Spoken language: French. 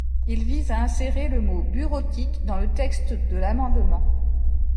Il vise à insérer le mot « bureautique » dans le texte de l’amendement.